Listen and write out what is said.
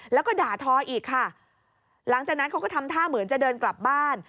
แล้วก็ด่าทออีกค่ะหลังจากนั้นเขาก็ทำท่าเหมือนจะเดินกลับบ้าน